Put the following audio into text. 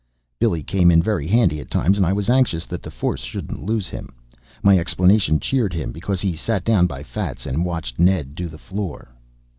Billy came in very handy at times and I was anxious that the force shouldn't lose him. My explanation cheered him because he sat down by Fats and watched Ned do the floor.